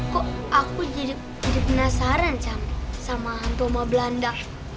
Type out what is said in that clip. kok aku jadi penasaran sama hantu sama belanda